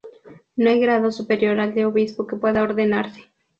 No hay grado superior al de obispo que pueda ordenarse.